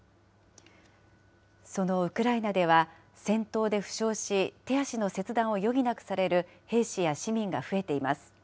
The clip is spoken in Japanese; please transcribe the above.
そのウクライナでは、戦闘で負傷し、手足の切断を余儀なくされる兵士や市民が増えています。